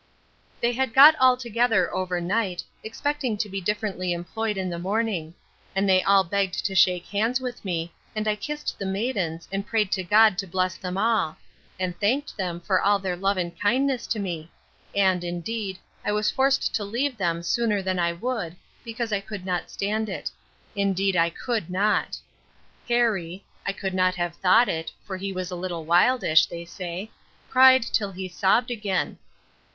They had got all together over night, expecting to be differently employed in the morning; and they all begged to shake hands with me, and I kissed the maidens, and prayed to God to bless them all; and thanked them for all their love and kindness to me: and, indeed, I was forced to leave them sooner than I would, because I could not stand it: Indeed I could not. Harry (I could not have thought it; for he is a little wildish, they say) cried till he sobbed again.